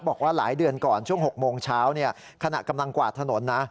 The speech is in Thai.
บอกว่าหลายเดือนก่อนช่วง๖โมงเช้าขณะกำลังกวาดถนนนะ